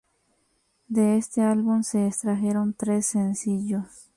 De este álbum se extrajeron tres sencillos.